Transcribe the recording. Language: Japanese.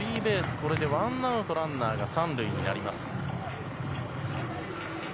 これで、ワンアウトランナー３塁になります。